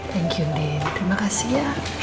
thank you din terima kasih ya